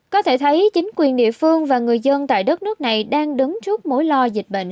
có thể thấy chính quyền địa phương và người dân tại đất nước này đang đứng trước mối lo dịch bệnh